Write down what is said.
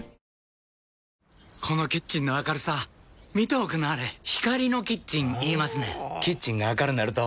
このキッチンの明るさ見ておくんなはれ光のキッチン言いますねんほぉキッチンが明るなると・・・